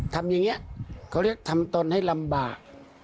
ทำอย่างนี้เขาเรียกทำตนให้ลำบาก